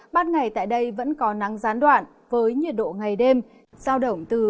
bát ngày tại đây vẫn có nắng gián đoạn với nhiệt độ ngày đêm giao động từ hai mươi ba ba mươi bốn độ